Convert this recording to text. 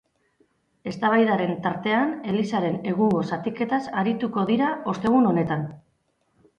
Eztabaidaren tartean, elizaren egungo zatiketaz arituko dira ostegun honetan.